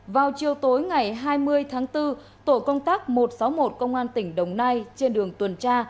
vào chiều tối ngày hai mươi tháng bốn tổ công tác một trăm sáu mươi một công an tỉnh đồng nai trên đường tuần tra